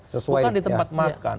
bukan di tempat makan